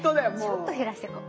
ちょっと減らしていこう。